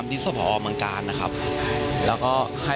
รถแสงทางหน้า